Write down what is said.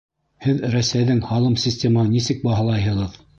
Һеҙ Рәсәйҙең һалым системаһын нисек баһалайһығыҙ?